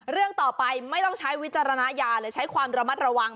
เรื่องต่อไปไม่ต้องใช้วิจารณญาณหรือใช้ความระมัดระวัง